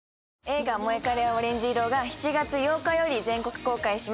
映画『モエカレはオレンジ色』が７月８日より全国公開します。